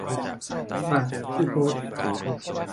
ป่ะที่โพสต์ ?